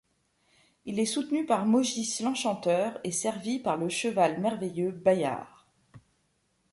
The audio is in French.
Il est soutenu par Maugis l´enchanteur, et servi par le cheval merveilleux Bayard.